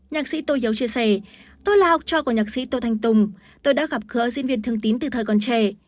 nhạc sĩ tô hiếu chia sẻ tôi là học trò của nhạc sĩ tô thanh tùng tôi đã gặp gỡ diễn viên thương tín từ thời còn trẻ